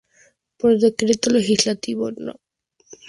Por decreto legislativo No.